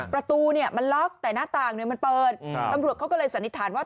ประตูเนี่ยมันล็อกแต่หน้าต่างมันเปิดตำรวจเขาก็เลยสันนิษฐานว่า